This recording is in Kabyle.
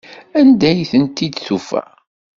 Anda ay tent-id-tufa?